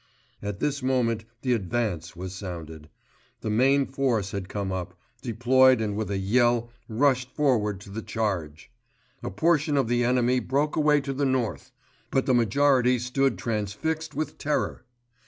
At this moment the advance was sounded. The main force had come up, deployed and with a yell rushed forward to the charge. A portion of the enemy broke away to the north; but the majority stood transfixed with terror.